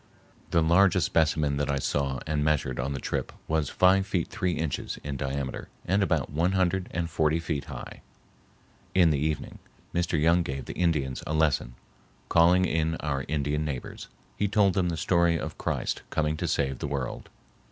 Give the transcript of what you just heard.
The largest specimen that I saw and measured on the trip was five feet three inches in diameter and about one hundred and forty feet high. In the evening Mr. Young gave the Indians a lesson, calling in our Indian neighbors. He told them the story of Christ coming to save the world.